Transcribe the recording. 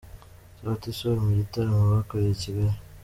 Sauti Sol mu gitaramo bakoreye i Kigali.